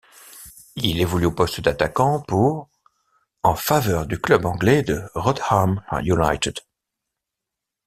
Il évolue au poste d'attaquant pour en faveur du club anglais de Rotherham United.